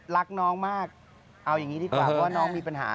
รักน้องมากเอาอย่างนี้ดีกว่าเพราะว่าน้องมีปัญหา